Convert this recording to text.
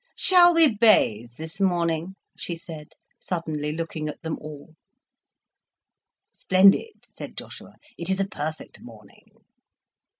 "Shall we bathe this morning?" she said, suddenly looking at them all. "Splendid," said Joshua. "It is a perfect morning."